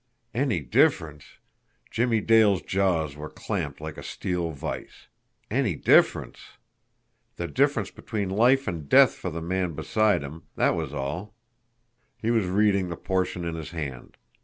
Any difference! Jimmie Dale's jaws were clamped like a steel vise. Any difference! The difference between life and death for the man beside him that was all! He was reading the portion in his hand.